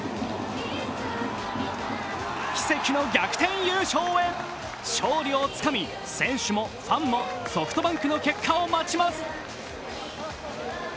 奇跡の逆転優勝へ、勝利をつかみ、選手もファンもソフトバンクの結果を待ちます。